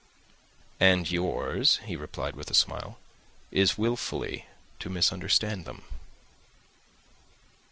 "And yours," he replied, with a smile, "is wilfully to misunderstand them."